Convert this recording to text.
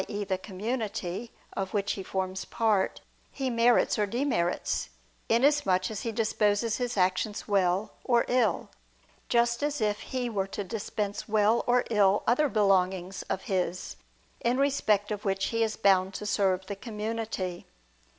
e. the community, of which he forms part, he merits or demerits, inasmuch as he disposes his actions well or ill: just as if he were to dispense well or ill other belongings of his, in respect of which he is bound to serve the community.